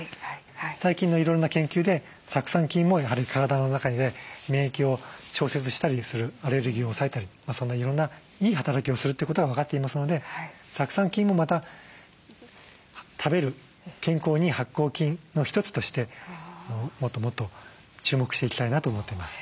最近のいろんな研究で酢酸菌もやはり体の中で免疫を調節したりするアレルギーを抑えたりそんないろんないい働きをするということが分かっていますので酢酸菌もまた食べる健康にいい発酵菌の一つとしてもっともっと注目していきたいなと思っています。